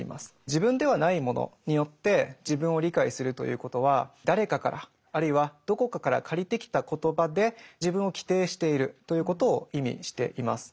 自分ではないものによって自分を理解するということは誰かからあるいはどこかから借りてきた言葉で自分を規定しているということを意味しています。